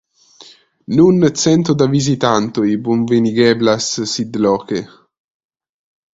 Nun cento da vizitantoj bonvenigeblas sidloke.